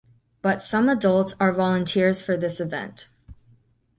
But some adults are volunteers for this event.